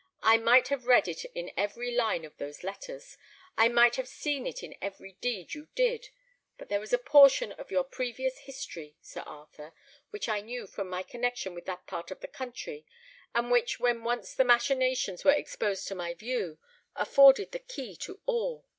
I might have read it in every line of those letters; I might have seen it in every deed you did; but there was a portion of your previous history, Sir Arthur, which I knew from my connexion with that part of the country, and which when once the machinations were exposed to my view, afforded the key to all.